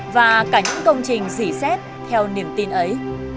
và cả những công trình dỉ xét theo niềm tin ấy